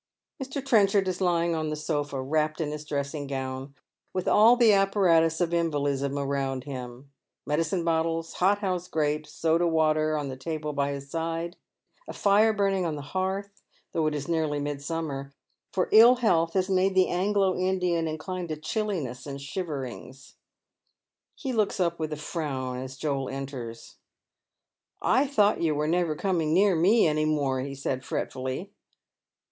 Mr. Trenchard is lying on the sofa, wrapped in his dressing gown, with all the apparatus of invalidiym around him, medicine bottles, hothouse grapes, soda water on the table by his side, a fire burning on the hearth, though it is nearly midsummer, for ill health has made the Anglo Indian inclined to chilliness and ehiverings. He looks up with afi'own as Joel enters. " I thought you were never coming near me any more," he eays fretfully.